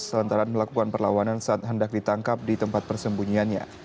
selantaran melakukan perlawanan saat hendak ditangkap di tempat persembunyiannya